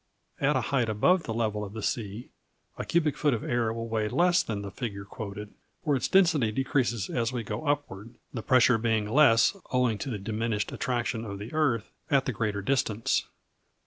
At a height above the level of the sea, a cubic foot of air will weigh less than the figure quoted, for its density decreases as we go upward, the pressure being less owing to the diminished attraction of the earth at the greater distance.